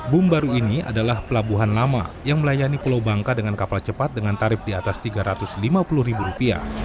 bum baru ini adalah pelabuhan lama yang melayani pulau bangka dengan kapal cepat dengan tarif di atas rp tiga ratus lima puluh